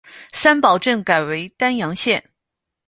三堡镇改为丹阳县。